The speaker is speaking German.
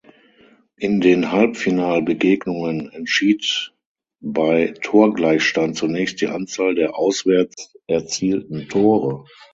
In den Halbfinalbegegnungen entschied bei Torgleichstand zunächst die Anzahl der Auswärts erzielten Tore.